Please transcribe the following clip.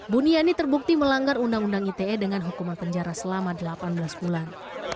buniani terbukti melanggar undang undang ite dengan hukuman penjara selama delapan belas bulan